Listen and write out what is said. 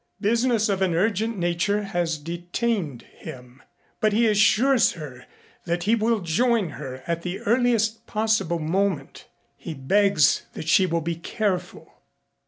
Business of an urgent nature has detained him but he assures her that he will join her at the earliest possible moment. He begs that she will be careful.